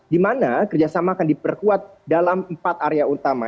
di mana kerjasama akan diperkuat dalam empat area utama